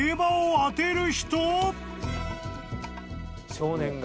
少年が。